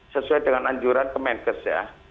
sesuai dengan anjuran kemenkes ya